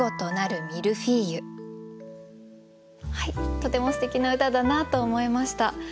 とてもすてきな歌だなと思いました。